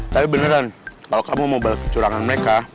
tapi beneran kalau kamu mau balik ke curangan mereka